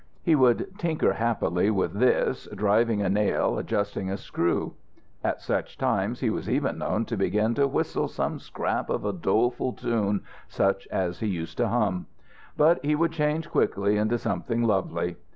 He would tinker happily with this, driving a nail, adjusting a screw. At such times he was even known to begin to whistle some scrap of a doleful tune such as he used to hum. But he would change, quickly, into something lovely.